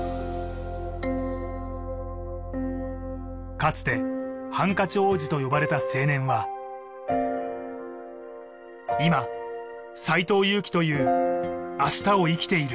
かつてハンカチ王子と呼ばれた青年は今斎藤佑樹というあしたを生きている